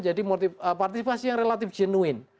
jadi partisipasi yang relatif genuine